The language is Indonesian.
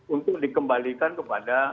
untuk dikembalikan kepada